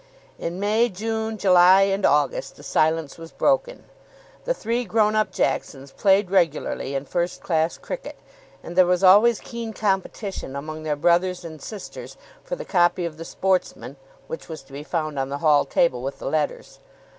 In May, June, July, and August the silence was broken. The three grown up Jacksons played regularly in first class cricket, and there was always keen competition among their brothers and sisters for the copy of the Sportsman which was to be found on the hall table with the letters.